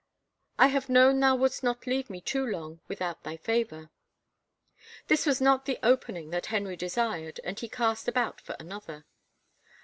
'* I have known thou wouldst not leave me too long with out thy favor." This was not the opening that Henry desired and he cast about for another.